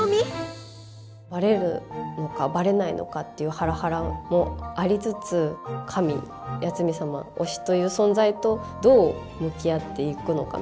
バレるのかバレないのかっていうハラハラもありつつ神八海サマ推しという存在とどう向き合っていくのかみたいな。